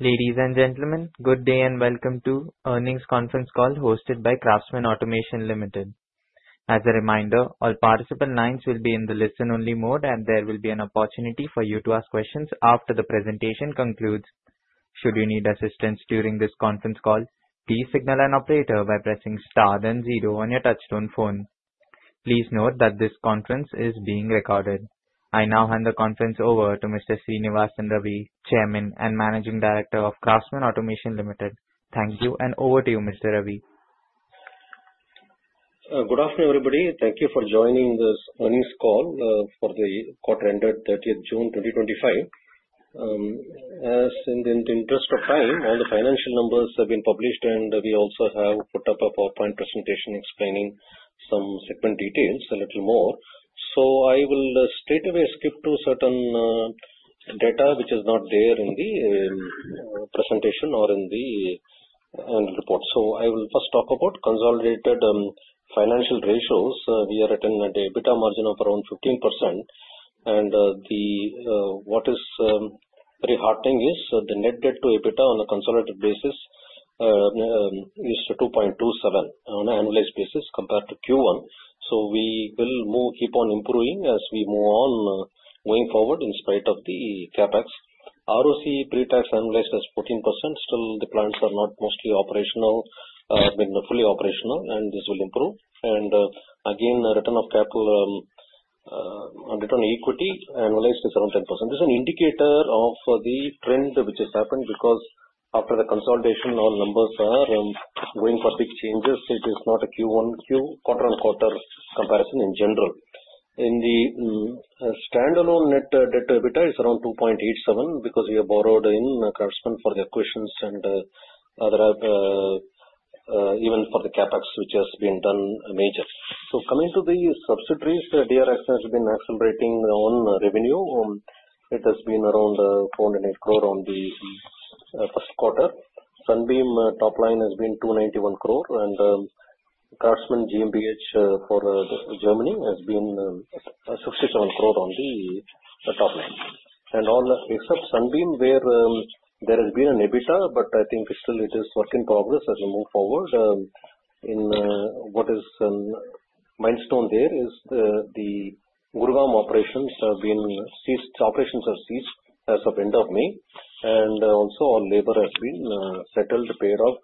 Ladies and gentlemen, good day and welcome to the Earnings Conference Call hosted by Craftsman Automation Limited. As a reminder, all participant lines will be in the listen-only mode, and there will be an opportunity for you to ask questions after the presentation concludes. Should you need assistance during this conference call, please signal an operator by pressing star then zero on your touchtone phone. Please note that this conference is being recorded. I now hand the conference over to Mr. Srinivasan Ravi, Chairman and Managing Director of Craftsman Automation Limited. Thank you, and over to you, Mr. Ravi. Good afternoon, everybody. Thank you for joining this earnings call for the quarter ended 30th June 2025. In the interest of time, all the financial numbers have been published, and we also have put up a PowerPoint presentation explaining some segment details a little more. I will straight away skip to certain data which is not there in the presentation or in the earnings report. I will first talk about consolidated financial ratios. We are at an EBITDA margin of around 15%, and what is a very hard thing is the net debt to EBITDA on a consolidated basis is 2.27 on an annualized basis compared to Q1. We will keep on improving as we move on going forward in spite of the CapEx. ROCE pre-tax annualized is 14%. Still, the plants are not mostly operational, I mean fully operational, and this will improve. Again, the return on capital, return on equity annualized is around 10%. This is an indicator of the trend which has happened because after the consolidation, all numbers are going for big changes. This is not a Q-on-Q, quarter-on-quarter comparison in general. In the standalone net debt to EBITDA, it's around 2.87 because we have borrowed in Craftsman for the acquisitions and other even for the CapEx which has been done major. Coming to the subsidiaries, DR Axion has been accelerating on revenue. It has been around 408 crore in the first quarter. Sunbeam top line has been 291 crore, and Craftsman GmbH for Germany has been 67 crore on the top line. In the case of Sunbeam where there has been an EBITDA, I think still it is work in progress as we move forward. A milestone there is the Gurgaon operations have ceased as of end of May, and also all labor has been settled, paid off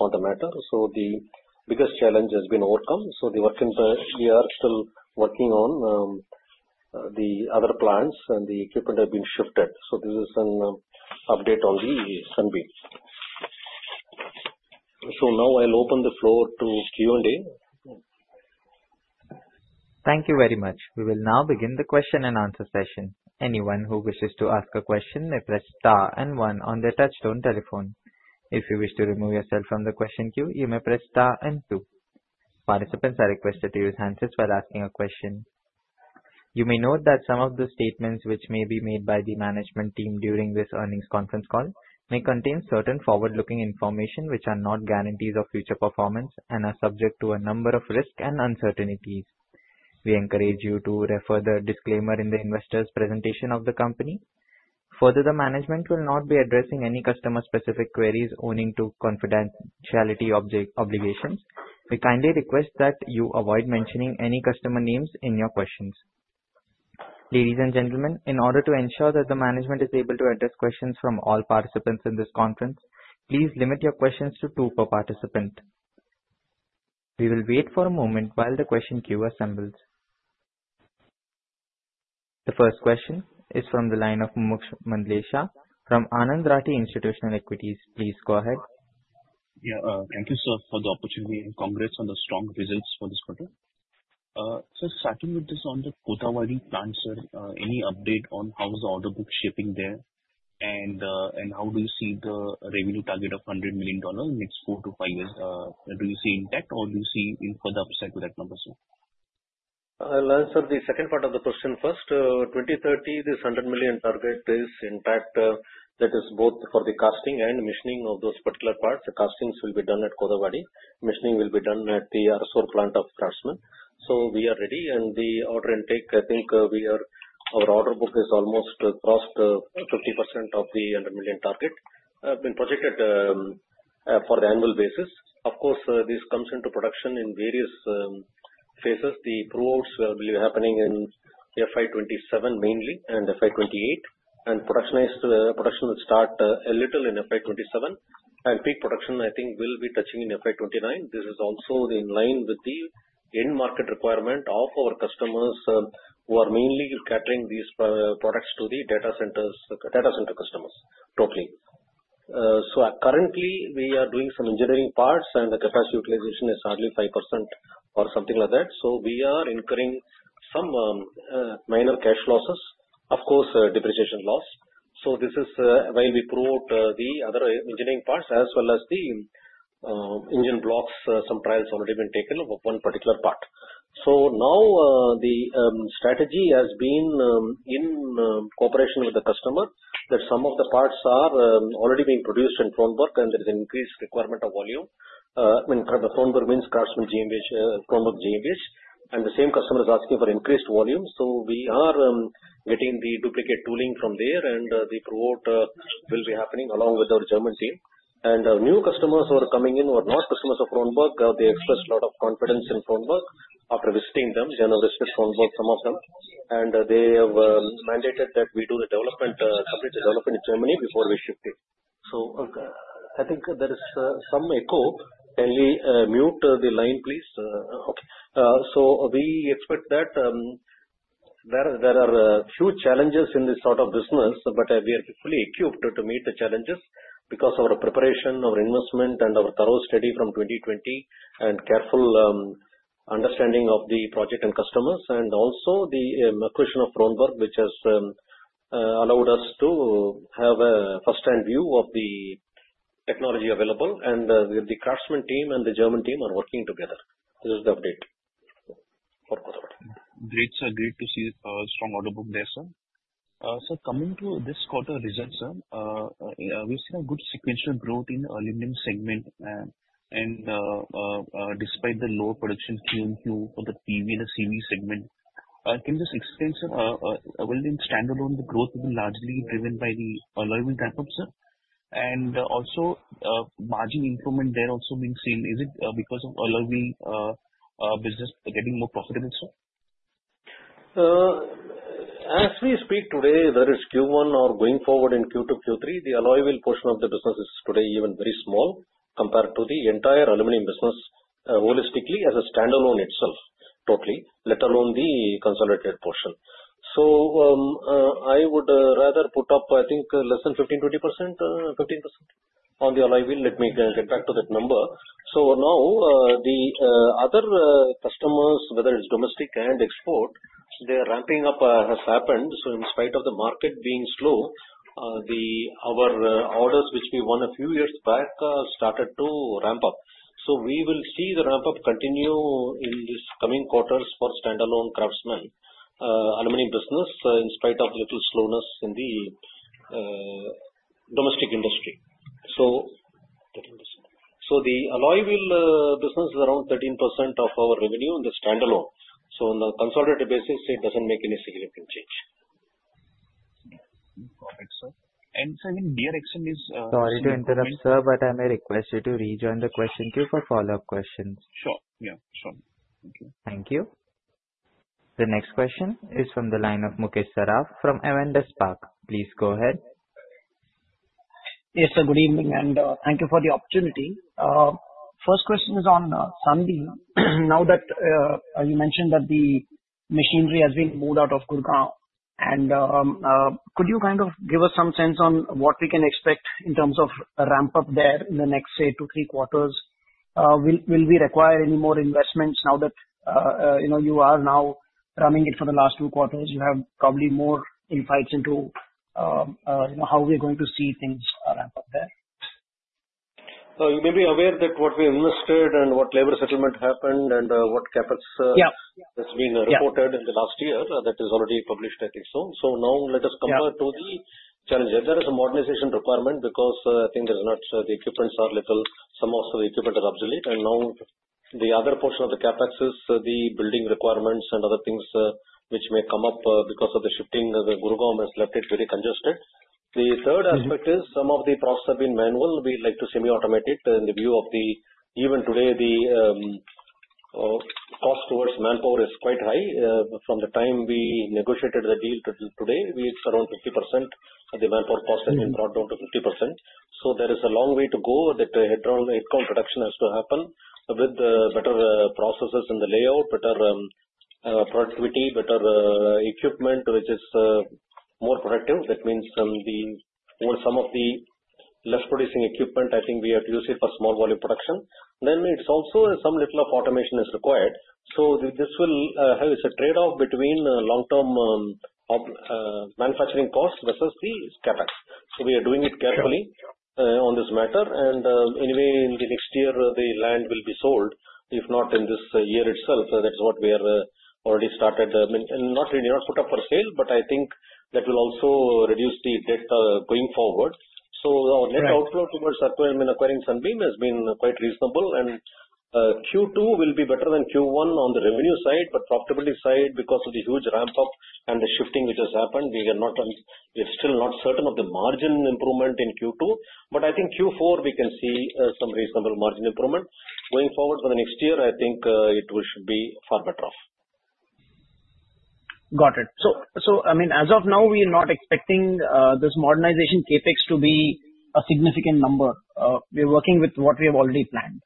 on the matter. The biggest challenge has been overcome. We are still working on the other plants and the equipment have been shifted. This is an update on Sunbeam. Now I'll open the floor to Q&A. Thank you very much. We will now begin the question and answer session. Anyone who wishes to ask a question, please press star and one on their touchtone telephone. If you wish to remove yourself from the question queue, you may press star and two. Participants are requested to use handsets while asking a question. You may note that some of the statements which may be made by the management team during this earnings conference call may contain certain forward-looking information which are not guarantees of future performance and are subject to a number of risks and uncertainties. We encourage you to refer to the disclaimer in the investor's presentation of the company. Further, the management will not be addressing any customer-specific queries owing to confidentiality obligations. We kindly request that you avoid mentioning any customer names in your questions. Ladies and gentlemen, in order to ensure that the management is able to address questions from all participants in this conference, please limit your questions to two per participant. We will wait for a moment while the question queue assembles. The first question is from the line of Mumuksh Mandleshah from Anand Rathi Institutional Equities. Please go ahead. Yeah, thank you, sir, for the opportunity and congrats on the strong results for this quarter. Sir, starting with this on the Kothavadi plan, sir, any update on how is the order book shaping there and how do you see the revenue target of $100 million in its four-five years? Do you see intact or do you see any further upside to that number, sir? Sir, the second part of the question first, 2030, this $100 million target is intact. That is both for the casting and machining of those particular parts. The castings will be done at Kothavadi. Machining will be done at the Arasur plant of Craftsman. We are ready and the order intake, I think our order book has almost crossed 50% of the $100 million target that has been projected for the annual basis. Of course, this comes into production in various phases. The approvals will be happening in FY 2027 mainly and FY 2028, and production will start a little in FY 2027, and peak production I think will be touching in FY 2029. This is also in line with the end market requirement of our customers who are mainly catering these products to the data center customers totally. Currently, we are doing some engineering parts and the capacity utilization is hardly 5% or something like that. We are incurring some minor cash losses, of course, depreciation loss. This is when we prove the other engineering parts as well as the engine blocks. Some trials already have been taken of one particular part. Now the strategy has been in cooperation with the customer that some of the parts are already being produced in Fronberg and there is an increased requirement of volume. I mean, from the Fronberg means Craftsman GmbH, Fronberg GmbH, and the same customer is asking for increased volume. We are getting the duplicate tooling from there and the approval will be happening along with our German team. Our new customers who are coming in or not customers of Fronberg, they expressed a lot of confidence in Fronberg after visiting them. They have expressed some of them and they have mandated that we do the development, submit the development in Germany before we shift it. I think there is some echo. Can we mute the line, please? Okay. We expect that there are few challenges in this sort of business, but we are fully equipped to meet the challenges because of our preparation, our investment, and our thorough study from 2020 and careful understanding of the project and customers and also the acquisition of Fronberg, which has allowed us to have a firsthand view of the technology available. The Craftsman team and the German team are working together. This is the update. Great to see the progress from order book there, sir. Sir, coming to this quarter results, sir, we've seen a good sequential growth in the aluminum segment. Despite the low production Q-on-Q of the PV and the CV segment, can this extension, will it stand alone? The growth will be largely driven by the alloy wheel ramp-up, sir? Also, margin improvement there also being seen. Is it because of alloy wheel business getting more profitable, sir? As we speak today, there is Q1 or going forward in Q2, Q3, the alloy wheel portion of the business is today even very small compared to the entire aluminum business holistically as a standalone itself totally, let alone the consolidated portion. I would rather put up, I think, less than 15%, 20%, 15% on the alloy wheel. Let me get back to that number. Now the other customers, whether it's domestic and export, their ramping up has happened. In spite of the market being slow, our orders which we won a few years back started to ramp up. We will see the ramp up continue in these coming quarters for standalone Craftsman aluminum business in spite of little slowness in the domestic industry. The alloy wheel business is around 13% of our revenue in the standalone. On the consolidated basis, it doesn't make any significant change. Got it, sir. I think gear exchange is. Sorry to interrupt, sir, but I may request you to rejoin the question queue for follow-up questions. Sure, yeah, sure. Thank you. The next question is from the line of Mukesh Saraf from Avendus Spark. Please go ahead. Yes, sir. Good evening and thank you for the opportunity. First question is on Sunbeam. Now that you mentioned that the machinery has been moved out of Gurgaon, could you kind of give us some sense on what we can expect in terms of a ramp-up there in the next, say, two to three quarters? Will we require any more investments now that you know you are now running it for the last two quarters? You have probably more insights into how we're going to see things ramp up there. You may be aware that what we invested and what labor settlement happened and what CapEx has been reported in the last year, that is already published, I think. Now let us compare to the challenges. There is a modernization requirement because I think some of the equipment are obsolete. The other portion of the CapEx is the building requirements and other things which may come up because of the shifting. Gurgaon has left it very congested. The third aspect is some of the processes have been manual. We like to semi-automate it in view of the fact that even today, the cost towards manpower is quite high. From the time we negotiated the deal to today, around 50% of the manpower costs have been brought down to 50%. There is a long way to go. That headcount reduction has to happen with better processes in the layout, better productivity, better equipment which is more productive. That means some of the less producing equipment, I think we have to use it for small volume production. Also, a little automation is required. This will have a trade-off between long-term manufacturing costs versus the CapEx. We are doing it carefully on this matter. Anyway, in the next year, the land will be sold, if not in this year itself. That's what we have already started. Not really, not put up for sale, but I think that will also reduce the debt going forward. Our net outflow towards acquiring Sunbeam has been quite reasonable. Q2 will be better than Q1 on the revenue side, but on the profitability side, because of the huge ramp-up and the shifting which has happened, we are still not certain of the margin improvement in Q2. I think Q4 we can see some reasonable margin improvement. Going forward for the next year, I think it should be far better off. Got it. As of now, we are not expecting this modernization CapEx to be a significant number. We're working with what we have already planned.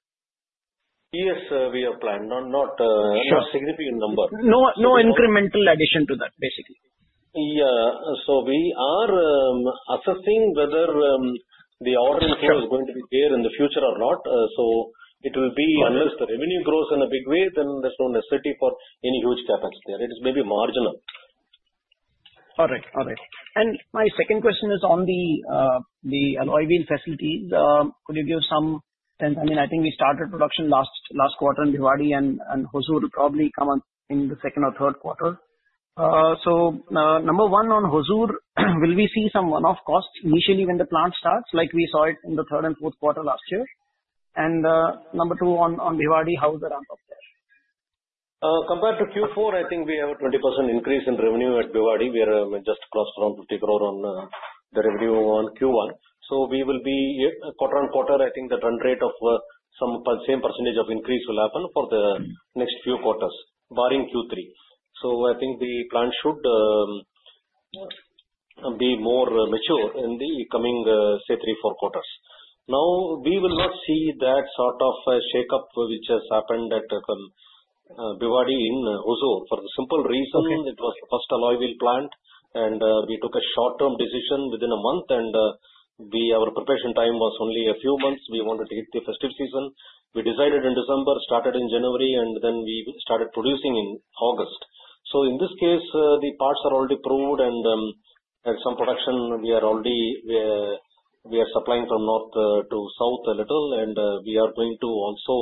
Yes, we have planned, not a significant number. No incremental addition to that, basically. Yeah, we are assessing whether the ordering field is going to be there in the future or not. It will be unless the revenue grows in a big way, then there's no necessity for any huge CapEx there. It is maybe marginal. All right. My second question is on the alloy wheel facilities. Could you give some? I mean, I think we started production last quarter in Bhiwadi and Hosur will probably come up in the second or third quarter. Number one, on Hosur, will we see some one-off costs initially when the plant starts like we saw in the third and fourth quarter last year? Number two, on Bhiwadi, how is the ramp-up there? Compared to Q4, I think we have a 20% increase in revenue at Bhiwadi. We just crossed around 50 crore on the revenue in Q1. We will be quarter on quarter, I think the trend rate of same percentage of increase will happen for the next few quarters, barring Q3. I think the plant should be more mature in the coming, say, three, four quarters. We will not see that sort of shake-up which has happened at Bhiwadi in Hosur for the simple reason it was the first alloy wheel plant and we took a short-term decision within a month and our preparation time was only a few months. We wanted to hit the festive season. We decided in December, started in January, and then we started producing in August. In this case, the parts are already proved and some production we are already supplying from north to south a little. We are going to also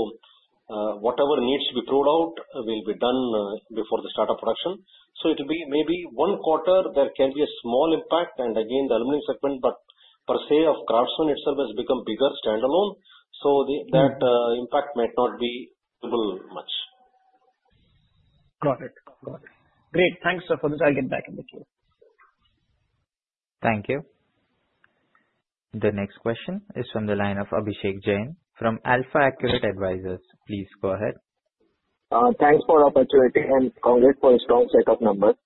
whatever needs to be proved out will be done before the start of production. It will be maybe one quarter there can be a small impact. Again, the aluminum segment, but per se of Craftsman itself has become bigger standalone. That impact might not be double much. Got it. Great. Thanks, sir, for this. I'll get back. Thank you. The next question is from the line of Abhishek Jain from AlfAccurate Advisors. Please go ahead. Thanks for the opportunity and congrats for a strong set of numbers.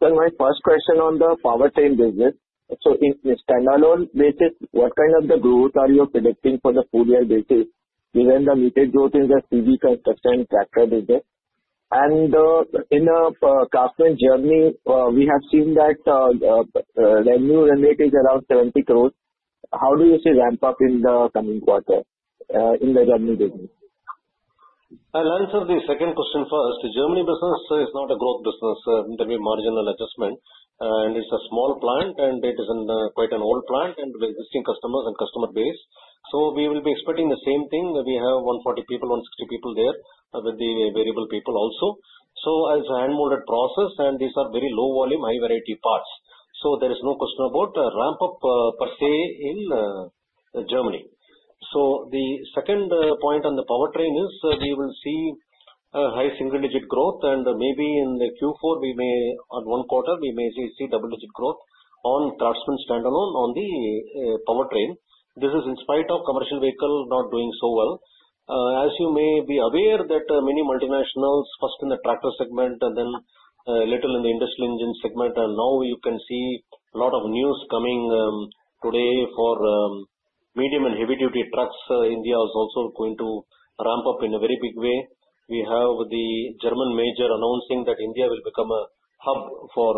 My first question on the powertrain business. On a standalone basis, what kind of growth are you predicting for the full-year basis, given the metered growth in the CV construction tractor business? In Craftsman Germany, we have seen that revenue rate is around 70 crore. How do you see ramp-up in the coming quarter in the Germany business? I'll answer the second question first. The Germany business is not a growth business. There will be marginal adjustment. It's a small plant and it is quite an old plant with existing customers and customer base. We will be expecting the same thing. We have 140 people, 160 people there with the variable people also. It's a hand-molded process and these are very low volume, high variety parts. There is no question about ramp-up per se in Germany. The second point on the powertrain is we will see a high single-digit growth and maybe in Q4, we may on one quarter, we may see double-digit growth on Craftsman standalone on the powertrain. This is in spite of commercial vehicle not doing so well. As you may be aware, many multinationals first in the tractor segment and then a little in the industrial engine segment. Now you can see a lot of news coming today for medium and heavy-duty trucks. India is also going to ramp up in a very big way. We have the German major announcing that India will become a hub for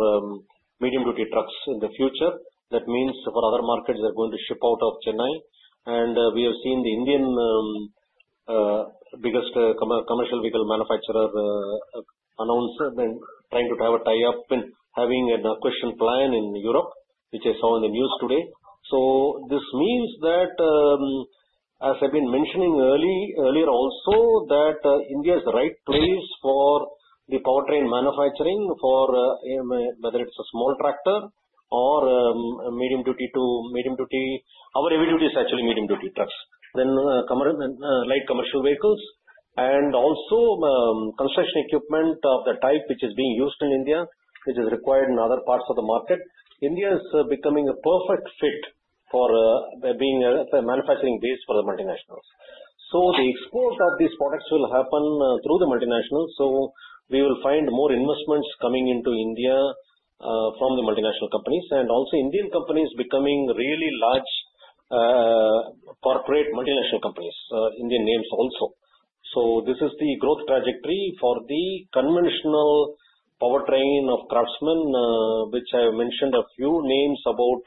medium-duty trucks in the future. That means for other markets, they're going to ship out of Chennai. We have seen the Indian biggest commercial vehicle manufacturer announce trying to have a tie-up and having an acquisition plan in Europe, which I saw in the news today. This means that, as I've been mentioning earlier also, India is the right place for the powertrain manufacturing for whether it's a small tractor or medium-duty to medium-duty. Our heavy-duty is actually medium-duty trucks. Like commercial vehicles and also construction equipment of the type which is being used in India, which is required in other parts of the market. India is becoming a perfect fit for being a manufacturing base for the multinationals. The export of these products will happen through the multinationals. We will find more investments coming into India from the multinational companies and also Indian companies becoming really large corporate multinational companies, Indian names also. This is the growth trajectory for the conventional powertrain of Craftsman, which I have mentioned a few names about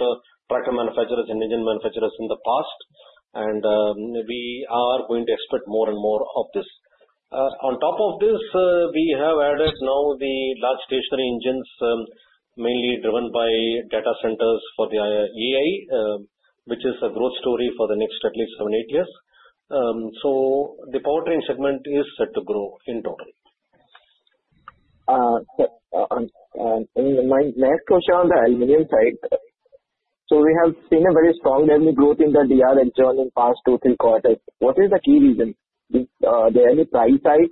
tractor manufacturers and engine manufacturers in the past. We are going to expect more and more of this. On top of this, we have added now the large stationary engines, mainly driven by data centers for the IIEA, which is a growth story for the next at least seven, eight years. The powertrain segment is set to grow in total. My next question on the aluminum side. We have seen a very strong revenue growth in the DR Axion in the past two to three quarters. What is the key reason? Is there any price hike?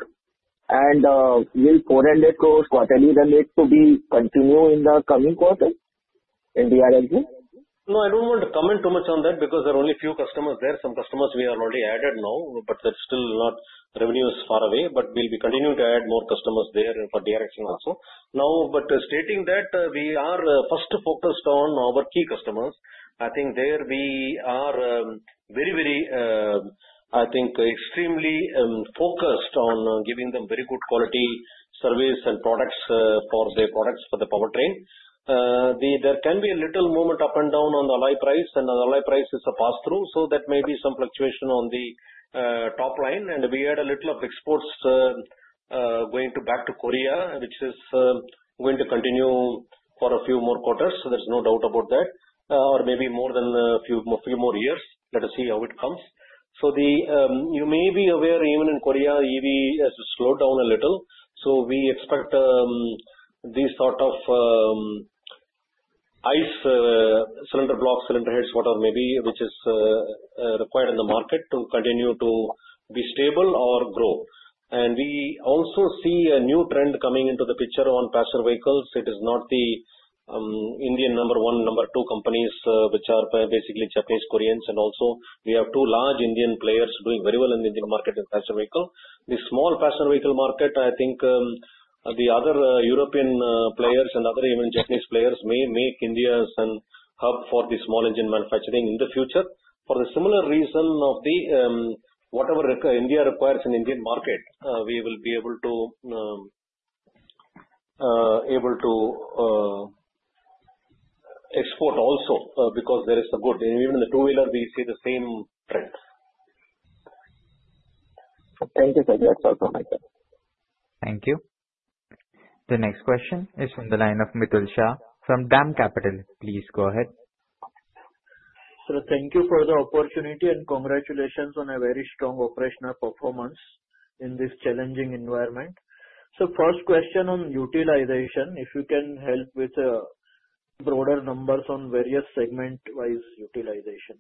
Will INR 400 crores quarterly revenue be continued in the coming quarter in DR Axion? No, I don't want to comment too much on that because there are only a few customers there. Some customers we have already added now, but they're still not revenues far away. We'll be continuing to add more customers there for DR Axion also. Now, stating that we are first focused on our key customers, I think we are very, very, I think extremely focused on giving them very good quality service and products for the powertrain. There can be a little movement up and down on the alloy price, and the alloy price is a pass-through. That may be some fluctuation on the top line. We had a little of exports going back to Korea, which is going to continue for a few more quarters. There's no doubt about that, or maybe more than a few more years. Let us see how it comes. You may be aware, even in Korea, EV has slowed down a little. We expect these sort of ICE cylinder blocks, cylinder heads, whatever may be, which is required in the market to continue to be stable or grow. We also see a new trend coming into the picture on passenger vehicles. It is not the Indian number one, number two companies, which are basically Japanese, Koreans, and also we have two large Indian players doing very well in the Indian market in passenger vehicle. The small passenger vehicle market, I think the other European players and other even Japanese players may make India a hub for the small engine manufacturing in the future. For the similar reason of whatever India requires in the Indian market, we will be able to export also because there is the good. Even the two-wheeler, we see the same trend. Thank you, Srinivasan. Thank you. The next question is from the line of Mitul Shah from DAM Capital. Please go ahead. Sir, thank you for the opportunity and congratulations on a very strong operational performance in this challenging environment. My first question is on utilization. If you can help with broader numbers on various segment-wise utilization.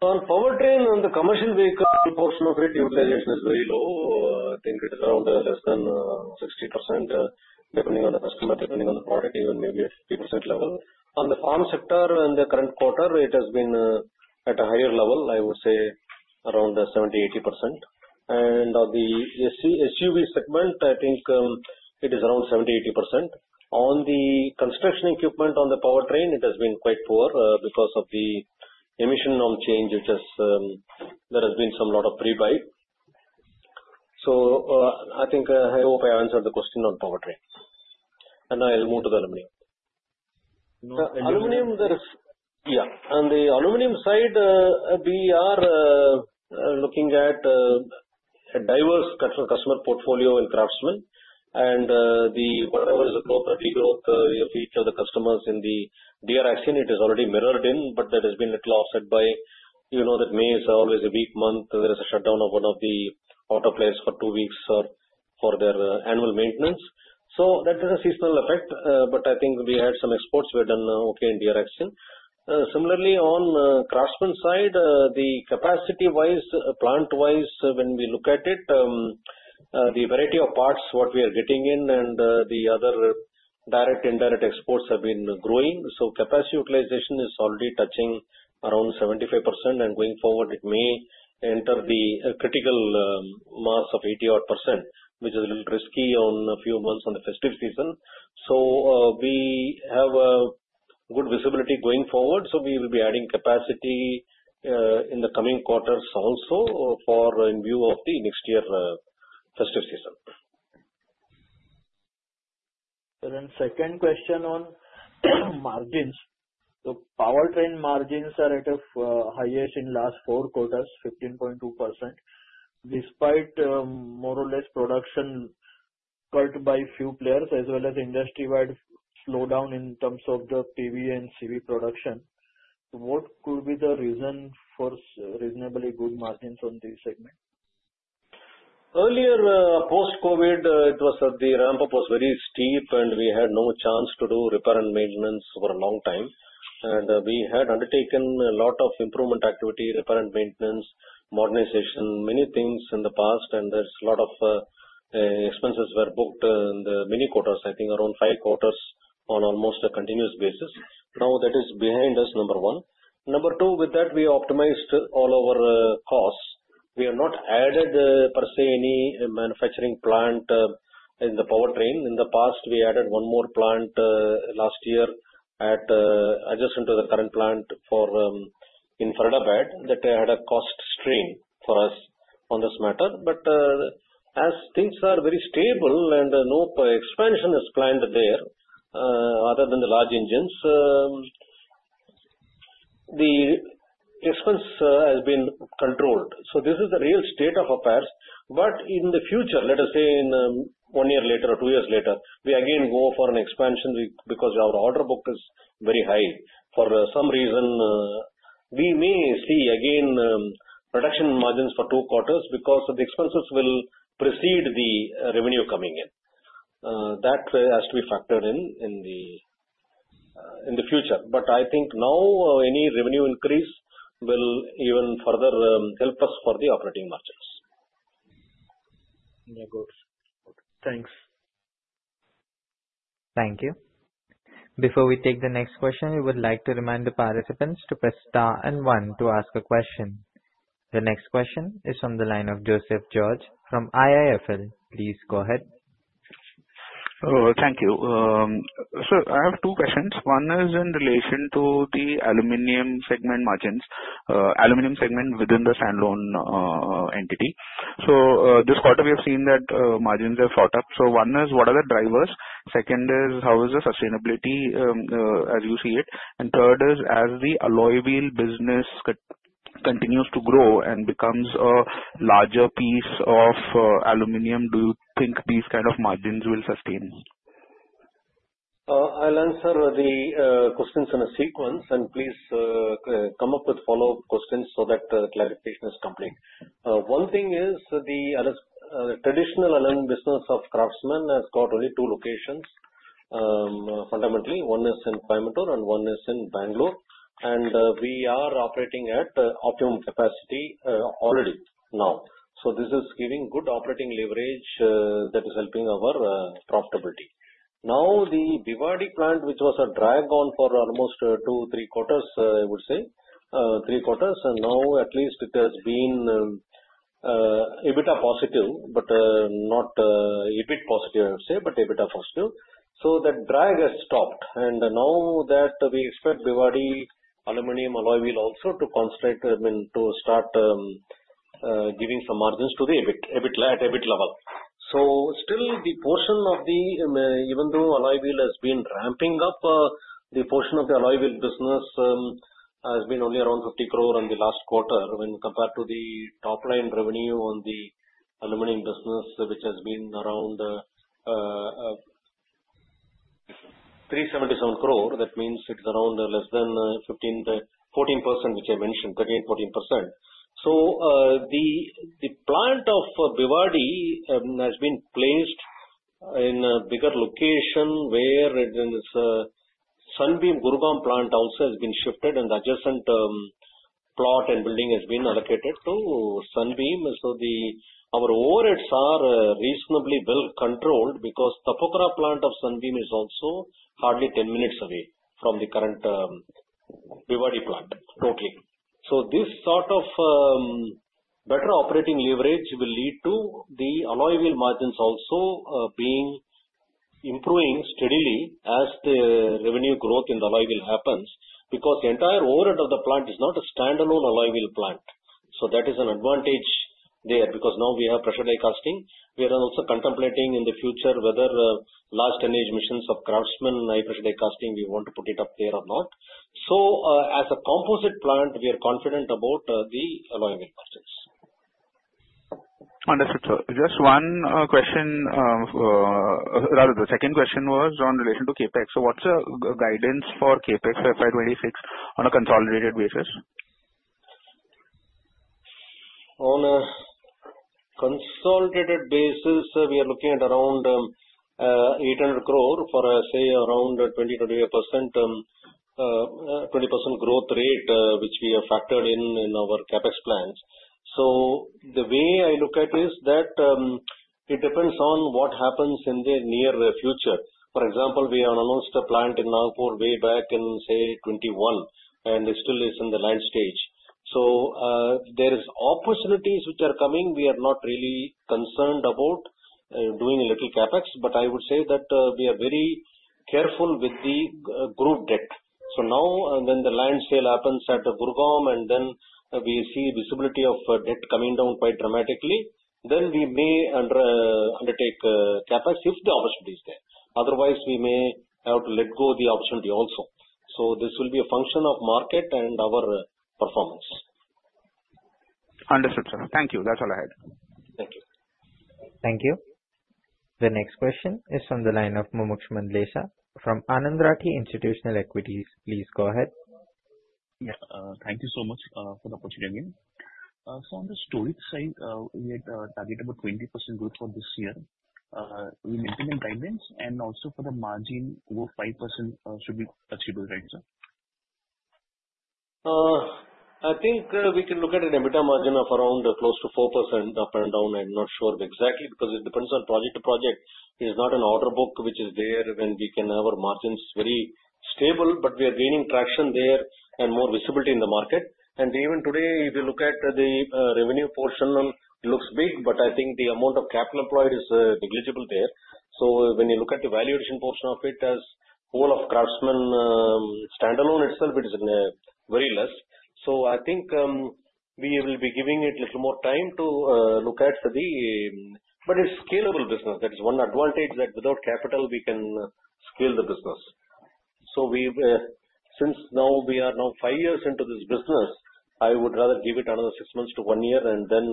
On powertrain, on the commercial vehicle, the proportion of its utilization is very low. I think it's around less than 60% depending on the customer, depending on the product, even maybe a few percent level. On the farm sector in the current quarter, it has been at a higher level. I would say around 70%, 80%. On the SUV segment, I think it is around 70%, 80%. On the construction equipment on the powertrain, it has been quite poor because of the emission norm change, which has there has been some lot of pre-buy. I hope I answered the question on powertrain. Now I'll move to the aluminum. Yeah, on the aluminum side, we are looking at a diverse customer portfolio in Craftsman. Whatever is the growth, the growth we have each of the customers in the DR Axion, and it is already mirrored in, but there has been a loss set by, you know, that May is always a weak month. There is a shutdown of one of the auto players for two weeks for their annual maintenance. That is a seasonal effect, but I think we had some exports we've done okay in DR Axion. Similarly, on Craftsman side, capacity-wise, plant-wise, when we look at it, the variety of parts, what we are getting in, and the other direct, indirect exports have been growing. Capacity utilization is already touching around 75%. Going forward, it may enter the critical mass of 80%-odd which is a little risky on a few months on the festive season. We have a good visibility going forward. We will be adding capacity in the coming quarters also in view of the next year festive season. The second question on margins. Powertrain margins are at a highest in the last four quarters, 15.2%, despite more or less production cut by a few players as well as industry-wide slowdown in terms of the PV and CV production. What could be the reason for reasonably good margins on this segment? Earlier, post-COVID, the ramp-up was very steep and we had no chance to do repair and maintenance for a long time. We had undertaken a lot of improvement activity, repair and maintenance, modernization, many things in the past. A lot of expenses were booked in many quarters, I think around five quarters on almost a continuous basis. Now that is behind us, number one. Number two, with that, we optimized all of our costs. We have not added per se any manufacturing plant in the powertrain. In the past, we added one more plant last year adjacent to the current plant for infrared bed that had a cost strain for us on this matter. As things are very stable and no expansion is planned there, other than the large engines, the expense has been controlled. This is the real state of affairs. In the future, let us say in one year later or two years later, we again go for an expansion because our order book is very high. For some reason, we may see again production margins for two quarters because the expenses will precede the revenue coming in. That has to be factored in in the future. I think now any revenue increase will even further help us for the operating margins. Yeah, good. Thanks. Thank you. Before we take the next question, we would like to remind the participants to press star and one to ask a question. The next question is from the line of Joseph George from IIFL. Please go ahead. Oh, thank you. Sir, I have two questions. One is in relation to the aluminum segment margins, aluminum segment within the standalone entity. This quarter, we have seen that margins have shot up. One is what are the drivers? Second is how is the sustainability as you see it? Third is as the alloy wheel business continues to grow and becomes a larger piece of aluminum, do you think these kind of margins will sustain? I'll answer the questions in a sequence and please come up with follow-up questions so that the clarification is complete. One thing is the traditional aluminum business of Craftsman has got only two locations. Fundamentally, one is in Coimbatore and one is in Bangalore. We are operating at optimum capacity already now. This is giving good operating leverage that is helping our profitability. The Bhiwadi plant, which was a drag on for almost two, three quarters, I would say three quarters, now at least it has been EBITDA positive, but not EBIT positive, I would say, but EBITDA positive. That drag has stopped. Now that we expect Bhiwadi aluminum alloy wheel also to concentrate, I mean, to start giving some margins to the EBITDA at EBIT level. Still, the portion of the, even though alloy wheel has been ramping up, the portion of the alloy wheel business has been only around 50 crore in the last quarter when compared to the top line revenue on the aluminum business, which has been around 377 crore. That means it's around less than 14%, which I mentioned, 13%, 14%. The plant of Bhiwadi has been placed in a bigger location where Sunbeam Gurgaon plant also has been shifted and the adjacent plot and building has been allocated to Sunbeam. Our overheads are reasonably well controlled because the Tapukara plant of Sunbeam is also hardly 10 minutes away from the current Bhiwadi plant totally. This sort of better operating leverage will lead to the alloy wheel margins also being improving steadily as the revenue growth in the alloy wheel happens because the entire overhead of the plant is not a standalone alloy wheel plant. That is an advantage there because now we have pressure decasting. We are also contemplating in the future whether large tonnage machines of Craftsman high pressure decasting, we want to put it up there or not. As a composite plant, we are confident about the alloy wheel margins. Understood, sir. Just one question. The second question was in relation to CapEx. What's the guidance for CapEx FY 2026 on a consolidated basis? On a consolidated basis, we are looking at around 800 crore for, say, around 20% growth rate, which we have factored in in our CapEx plans. The way I look at it is that it depends on what happens in the near future. For example, we have announced a plant in Nagpur way back in, say, 2021, and it still is in the land stage. There are opportunities which are coming. We are not really concerned about doing a little CapEx, but I would say that we are very careful with the group debt. Now, when the land sale happens at Gurgaon, and then we see visibility of debt coming down quite dramatically, we may undertake CapEx if the opportunity is there. Otherwise, we may have to let go of the opportunity also. This will be a function of market and our performance. Understood, sir. Thank you. That's all I had. Thank you. The next question is from the line of Mumuksh Mandleshah from Anand Rathi Institutional Equities. Please go ahead. Yeah, thank you so much for the opportunity again. On the storage side, we had targeted about 20% growth for this year in implement guidelines, and also for the margin, about 5% should be achievable, right, sir? I think we can look at an EBITDA margin of around close to 4% up and down. I'm not sure of exactly because it depends on project to project. It's not an order book which is there and we can have our margins very stable, but we are gaining traction there and more visibility in the market. Even today, if you look at the revenue portion, it looks big, but I think the amount of capital employed is negligible there. When you look at the valuation portion of it as all of Craftsman standalone itself, it is very less. I think we will be giving it a little more time to look at the, but it's a scalable business. That is one advantage that without capital, we can scale the business. Since now we are now five years into this business, I would rather give it another six months to one year and then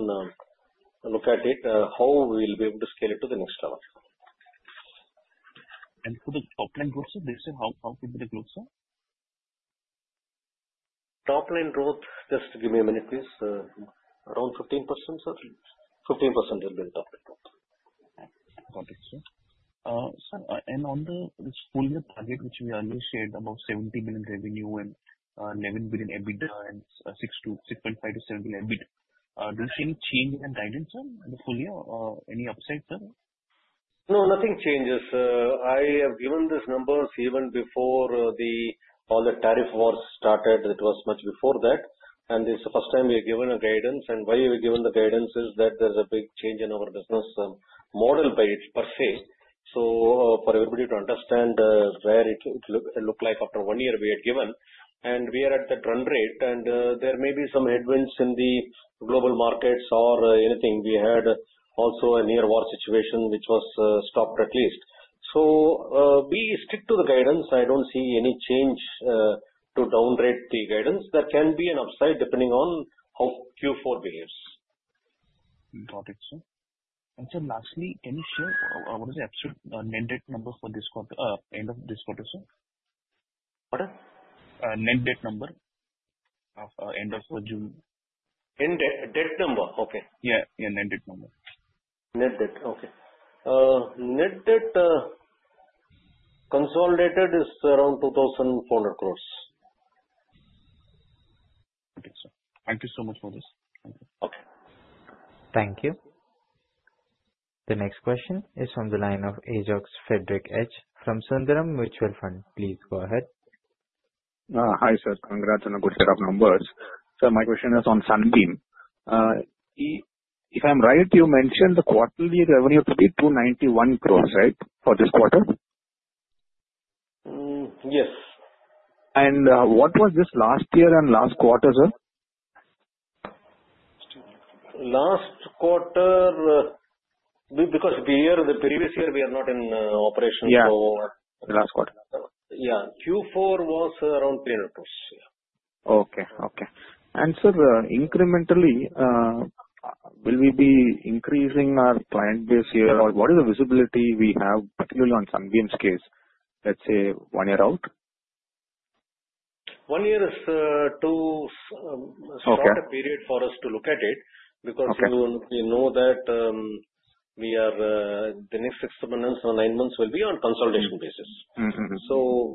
look at it how we'll be able to scale it to the next level. For the top line growth, sir, how big the growths are? Top line growth, just give me a minute, please. Around 15%, sir. 15% in the top line growth. Got it, sir. Sir, on the full-year target, which we are almost at about 70 billion revenue and 11 billion EBITDA and 6.5 billion-7 billion EBITDA, do you see any change in the guidance, sir, in the full year? Any upside, sir? No, nothing changes. I have given these numbers even before all the tariff wars started. It was much before that. This is the first time we have given a guidance. The reason we have given the guidance is that there's a big change in our business model by it per se. For everybody to understand where it looked like after one year we had given. We are at that run rate. There may be some headwinds in the global markets or anything. We had also a near-war situation, which was stopped at least. We stick to the guidance. I don't see any change to downgrade the guidance. There can be an upside depending on how Q4 behaves. Got it, sir. Lastly, any shares? What is the absolute net debt number for this quarter, end of this quarter, sir? Pardon? Net debt number at end of June. Net debt number? Okay. Yeah, net debt number. Net debt? Okay. Net debt consolidated is around INR 2,400 crores. Thank you so much for this. Thank you. The next question is from the line of Ajox Frederick H from Sundaram Mutual Fund. Please go ahead. Hi, sir. Congrats on a good set of numbers. Sir, my question is on Sunbeam. If I'm right, you mentioned the quarterly revenue to be 291 crores, right, for this quarter? Yes. What was this last year and last quarter, sir? Last quarter, because the previous year we are not in operations. Last quarter. Yeah, Q4 was around INR 300 crores. Yeah. Okay. Okay. Sir, incrementally, will we be increasing our client base here? What is the visibility we have, particularly on Sunbeam's case, let's say one year out? One year is too short a period for us to look at it because we know that the next six months or nine months will be on a consolidation basis.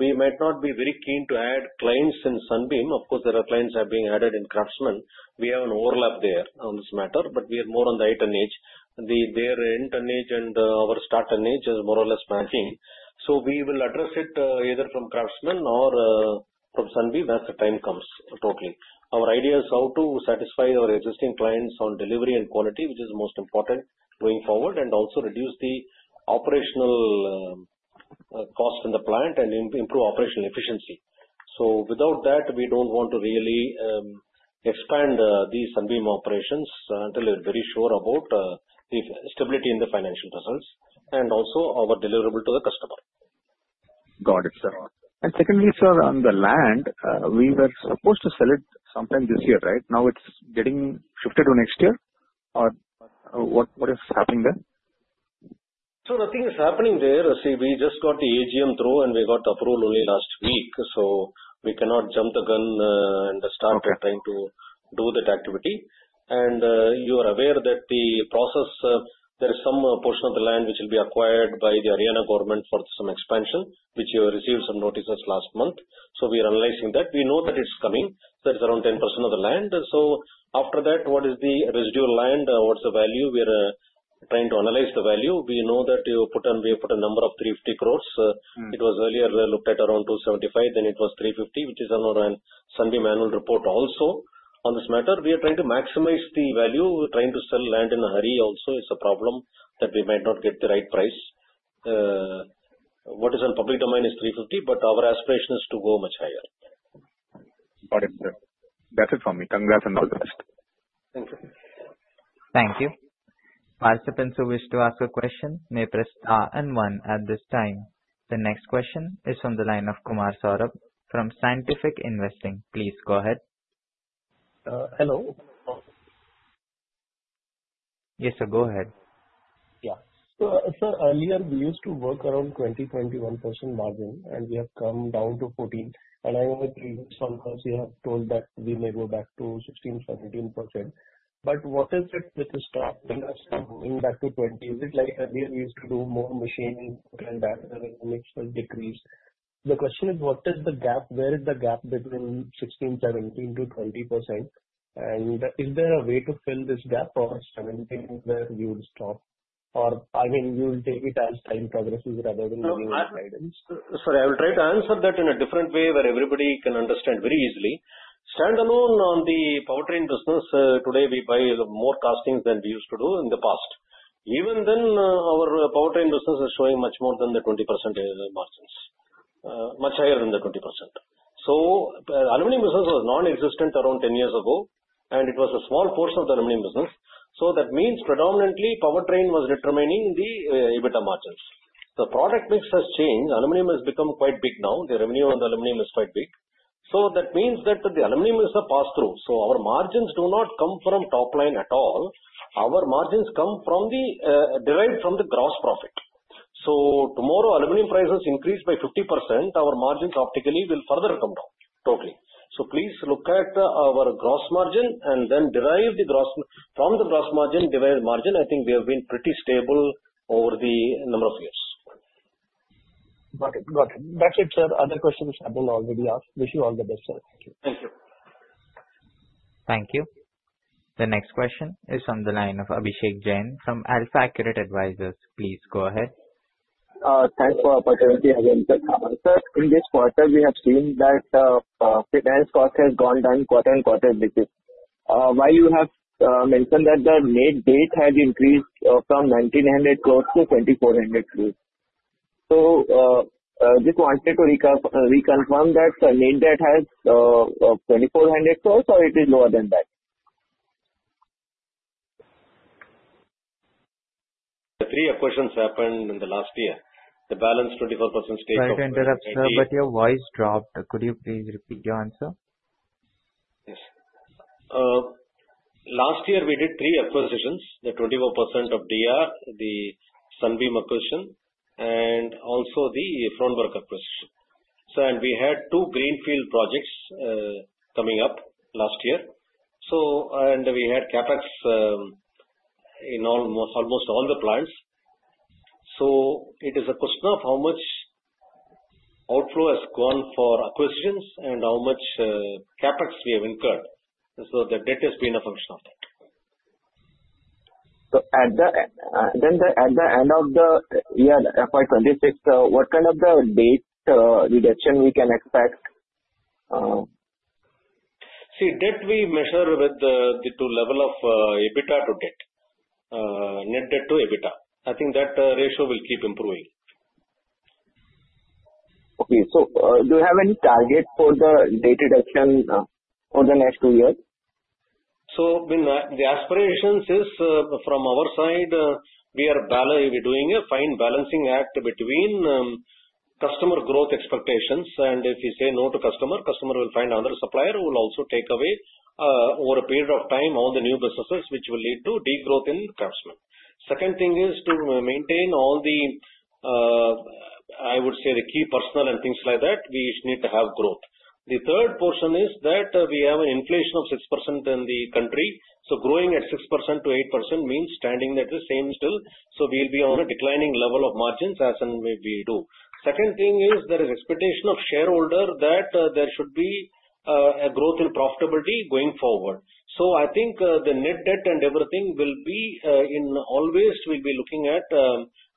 We might not be very keen to add clients in Sunbeam. Of course, there are clients that are being added in Craftsman. We have an overlap there on this matter, but we are more on the eight and eight. Their end and age and our start and age is more or less matching. We will address it either from Craftsman or from Sunbeam as the time comes totally. Our idea is how to satisfy our existing clients on delivery and quality, which is the most important going forward, and also reduce the operational cost in the plant and improve operational efficiency. Without that, we don't want to really expand the Sunbeam operations until we are very sure about the stability in the financial results and also our deliverable to the customer. Got it, sir. Secondly, sir, on the land, we were supposed to sell it sometime this year, right? Now it's getting shifted to next year. What is happening there? Nothing is happening there. We just got the AGM through and we got the approval only last week. We cannot jump the gun and start trying to do that activity. You are aware that the process, there is some portion of the land which will be acquired by the Haryana government for some expansion, and we received some notices last month. We are analyzing that. We know that it's coming. It's around 10% of the land. After that, what is the residual land? What's the value? We are trying to analyze the value. We know that we have put a number of 350 crores. It was earlier looked at around 275 crores, then it was 350 crores, which is in another Sunbeam annual report also on this matter. We are trying to maximize the value. Trying to sell land in a hurry is also a problem because we might not get the right price. What is in the public domain is 350 crore, but our aspiration is to go much higher. Got it, sir. That's it from me. Thank you. Thank you. Participants who wish to ask a question may press star and one at this time. The next question is from the line of Kumar Saurabh from Scientific Investing. Please go ahead. Hello? Yes, sir. Go ahead. Yeah. Sir, earlier, we used to work around 20%, 21% margin, and we have come down to 14%. I know that some of us have told that we may go back to 16%, 17%. What is this? This is trapped in us coming back to 20%. It's like we used to do more machining than that, and it's decreased. The question is, what is the gap? Where is the gap between 16%, 17% to 20%? Is there a way to fill this gap or 17% where you would stop? I mean, you'll take it as time progresses rather than giving us guidance? Sorry, I will try to answer that in a different way where everybody can understand very easily. Standalone on the powertrain business, today we buy more castings than we used to do in the past. Even then, our powertrain business is showing much more than the 20% margins, much higher than the 20%. The aluminum business was non-existent around 10 years ago, and it was a small portion of the aluminum business. That means predominantly powertrain was determining the EBITDA margins. The product mix has changed. Aluminum has become quite big now. The revenue on the aluminum is quite big. That means that the aluminum is a pass-through. Our margins do not come from top line at all. Our margins come from the derived from the gross profit. Tomorrow, aluminum prices increase by 50%. Our margins optically will further come down totally. Please look at our gross margin and then derive the gross from the gross margin, derive the margin. I think they have been pretty stable over the number of years. Got it. Got it. That's it, sir. Other questions I don't know if we are. Wish you all the best, sir. Thank you. Thank you. The next question is from the line of Abhishek Jain from AlfAccurate Advisors. Please go ahead. Thanks for the opportunity. Sir, in this quarter, we have seen that the finance cost has gone down quarter on quarter. While you have mentioned that the net debt has increased from 1,900 crores to 2,400 crores. I just wanted to reconfirm that the net debt is 2,400 crores or it is lower than that? The three equations happened in the last year. The balance 24% stays. Sorry to interrupt, sir, but your voice dropped. Could you please repeat your answer? Last year, we did three acquisitions, the 24% of DR, the Sunbeam acquisition, and also the Fronberg acquisition. We had two greenfield projects coming up last year, and we had CapEx in almost all the plans. It is a question of how much outflow has gone for acquisitions and how much CapEx we have incurred. The debt has been a function of that. At the end of the year, this is what kind of the debt reduction we can expect? See, debt we measure with the two levels of EBITDA to debt, net debt to EBITDA. I think that the ratio will keep improving. Okay. Do you have any target for the debt reduction for the next two years? The aspiration is from our side, we are doing a fine balancing act between customer growth expectations. If we say no to customer, customer will find another supplier who will also take away over a period of time all the new businesses, which will lead to degrowth in Craftsman. The second thing is to maintain all the, I would say, the key personnel and things like that. We need to have growth. The third portion is that we have an inflation of 6% in the country. Growing at 6%-8% means standing at the same still. We will be on a declining level of margins as and when we do. There is an expectation of shareholders that there should be a growth in profitability going forward. I think the net debt and everything will be in always, we'll be looking at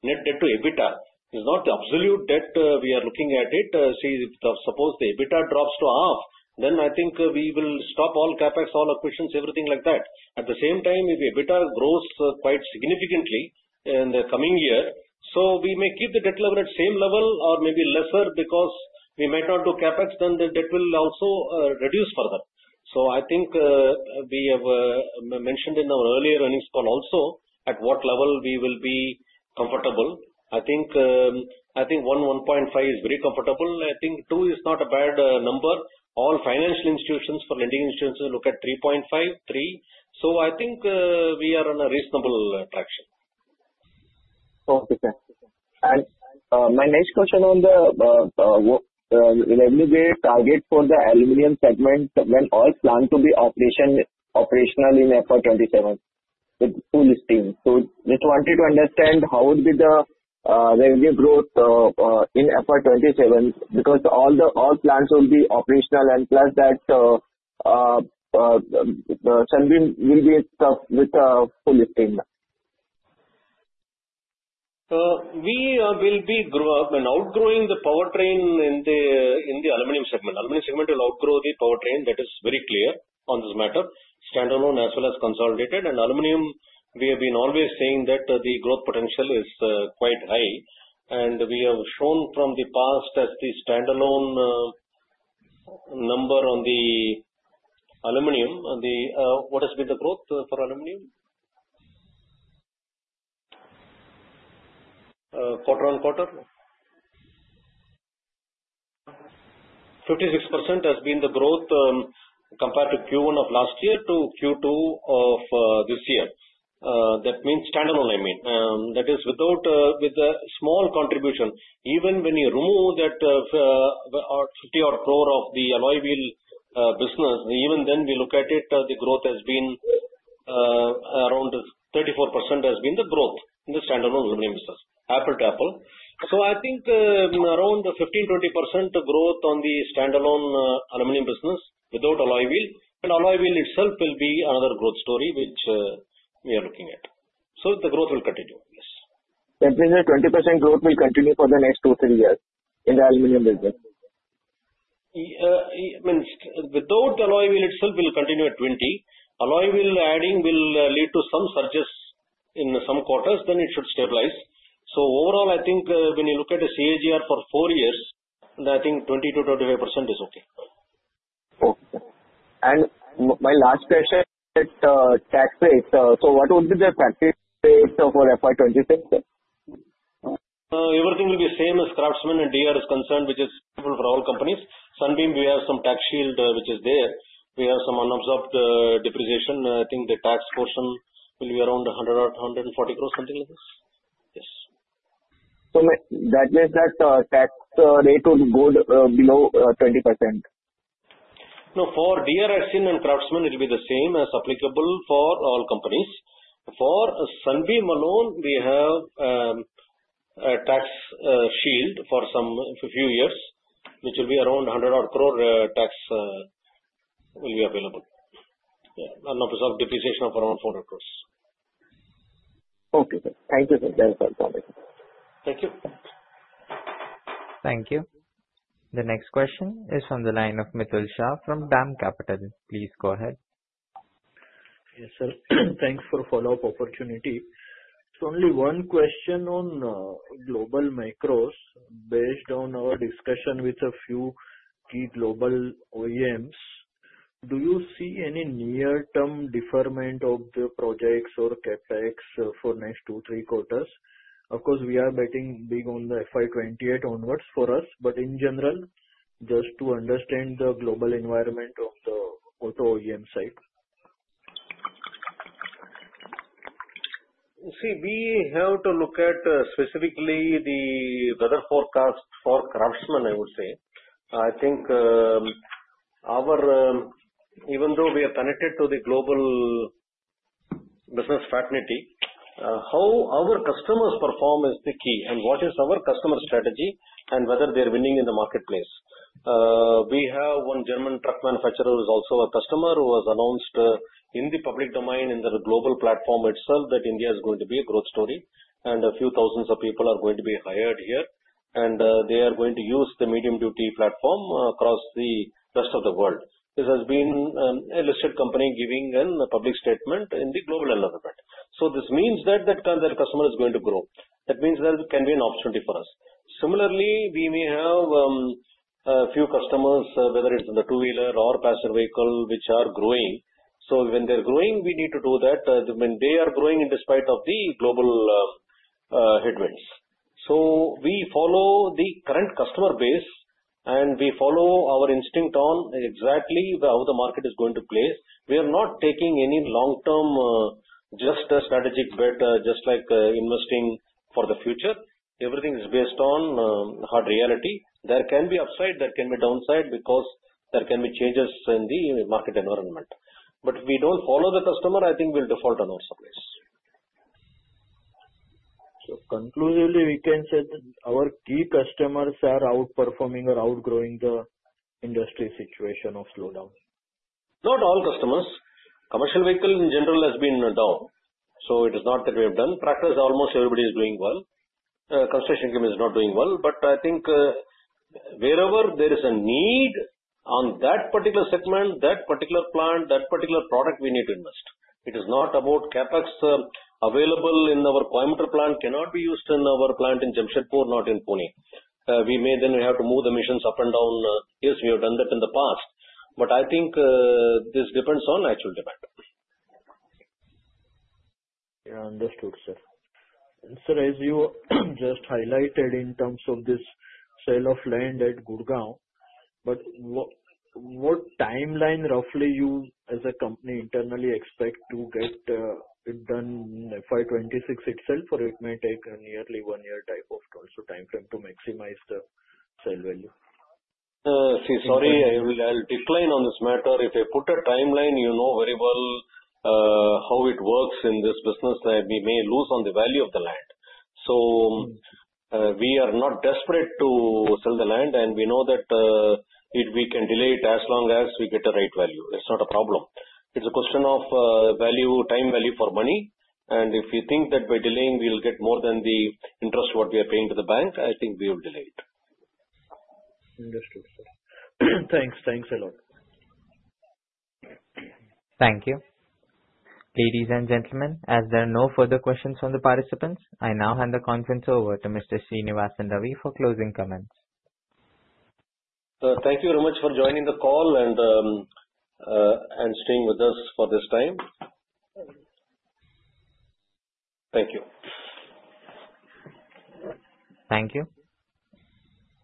net debt to EBITDA. It's not the absolute debt we are looking at. See, if suppose the EBITDA drops to half, then I think we will stop all CapEx, all acquisitions, everything like that. At the same time, if EBITDA grows quite significantly in the coming year, we may keep the debt level at the same level or maybe lesser because we might not do CapEx, then the debt will also reduce further. I think we have mentioned in our earlier earnings call also at what level we will be comfortable. I think 1, 1.5 is very comfortable. I think 2 is not a bad number. All financial institutions, for lending institutions, will look at 3.5, 3. I think we are on a reasonable traction. Okay. My next question on the revenue-based target for the aluminum segment when all plants will be operational in FY 2027 with two listings. I just wanted to understand how would be the revenue growth in FY 2027 because all the plants will be operational and plus that Sunbeam will be with a full listing. We will be outgrowing the powertrain in the aluminum segment. Aluminum segment will outgrow the powertrain. That is very clear on this matter, standalone as well as consolidated. In aluminum, we have been always saying that the growth potential is quite high. We have shown from the past that the standalone number on the aluminum, on what has been the growth for aluminum quarter on quarter, 56% has been the growth compared to Q1 of last year to Q2 of this year. That means standalone, I mean. That is with a small contribution. Even when you remove that 50 crore of the alloy wheel business, even then we look at it, the growth has been around 34% in the standalone aluminum business, apple to apple. I think around the 15%, 20% growth on the standalone aluminum business without alloy wheel. alloy wheel itself will be another growth story which we are looking at. The growth will continue, yes. Will 20% growth continue for the next two or three years in the aluminum business? I mean, without alloy wheel itself, we'll continue at 20%. Alloy wheel adding will lead to some surges in some quarters, it should stabilize. Overall, I think when you look at the CAGR for four years, I think 20%-25% is okay. What will be the tax rate for FY 2026? Everything will be same as Craftsman and DR is concerned, which is suitable for all companies. Sunbeam, we have some tax shield, which is there. We have some unabsorbed depreciation. I think the tax portion will be around 100 crores, 140 crores, something like this. Yes. That means that tax rate will go below 20%. No, for DR Axion and Craftsman, it will be the same as applicable for all companies. For Sunbeam alone, we have a tax shield for some few years, which will be around 100 crore tax will be available. Yeah, unabsorbed depreciation of around 400 crores. Okay. Thank you, Srinivasan. Thank you. Thank you. The next question is from the line of Mitul Shah from DAM Capital. Please go ahead. Yes, sir. Thanks for the follow-up opportunity. Only one question on global micros based on our discussion with a few key global OEMs. Do you see any near-term deferment of the projects or CapEx for the next two, three quarters? Of course, we are betting big on the FY 2028 onwards for us, but in general, just to understand the global environment of the auto OEM side. See, we have to look at specifically the weather forecast for Craftsman Automation Limited, I would say. I think our, even though we are connected to the global business fraternity, how our customers perform is the key and what is our customer strategy and whether they're winning in the marketplace. We have one German truck manufacturer who is also a customer who has announced in the public domain in the global platform itself that India is going to be a growth story and a few thousand people are going to be hired here. They are going to use the medium duty platform across the rest of the world. This has been a listed company giving a public statement in the global environment. This means that that kind of their customer is going to grow. That means there can be an opportunity for us. Similarly, we may have a few customers, whether it's in the two-wheeler or passenger vehicle, which are growing. When they're growing, we need to do that. I mean, they are growing in spite of the global headwinds. We follow the current customer base and we follow our instinct on exactly how the market is going to play. We are not taking any long-term just strategic bets, just like investing for the future. Everything is based on hard reality. There can be upside, there can be downside because there can be changes in the market environment. If we don't follow the customer, I think we'll default on our supplies. Conclusively, we can say that our key customers are outperforming or outgrowing the industry situation of slowdown. Not all customers. Commercial vehicle in general has been down. It is not that we have done practice. Almost everybody is doing well. Construction is not doing well. I think wherever there is a need on that particular segment, that particular plant, that particular product, we need to invest. It is not about CapEx available in our Coimbatore plant; it cannot be used in our plant in Jamshedpur, not in Pune. We may then have to move the machines up and down. Yes, we have done that in the past. I think this depends on actual demand. Yeah, understood, sir. Sir, as you just highlighted in terms of this sale of land at Gurgaon, what timeline roughly do you as a company internally expect to get it done in FY 2026 itself, or may it take a nearly one-year type of time frame to maximize the sale value? Sorry, I'll be plain on this matter. If I put a timeline, you know very well how it works in this business that we may lose on the value of the land. We are not desperate to sell the land, and we know that we can delay it as long as we get the right value. It's not a problem. It's a question of value, time value for money. If you think that by delaying, we'll get more than the interest we are paying to the bank, I think we will delay it. Understood, sir. Thanks. Thanks a lot. Thank you. Ladies and gentlemen, as there are no further questions from the participants, I now hand the conference over to Mr. Srinivasan Ravi for closing comments. Thank you very much for joining the call and staying with us for this time. Thank you.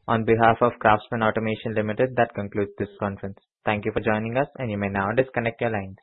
On behalf of Craftsman Automation Limited, that concludes this conference. Thank you for joining us, and you may now disconnect your lines.